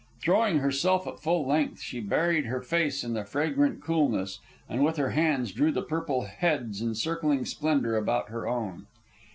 Throwing herself at full length, she buried her face in the fragrant coolness, and with her hands drew the purple heads in circling splendor about her own.